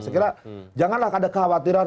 sekiranya janganlah ada kekhawatiran